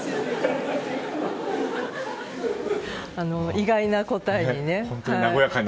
意外な答えに。